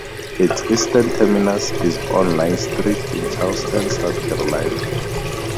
Its eastern terminus is on Line Street, in Charleston, South Carolina.